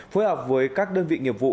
phối hợp với các đơn vị nhiệm vụ